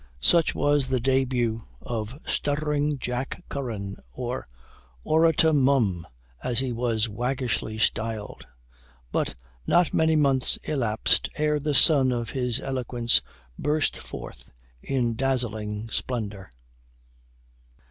Such was the debut of "Stuttering Jack Curran," or "Orator Mum," as he was waggishly styled; but not many months elapsed ere the sun of his eloquence burst forth in dazzling splendor.